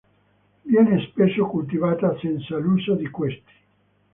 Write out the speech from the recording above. Viene spesso coltivata senza l'uso di questi.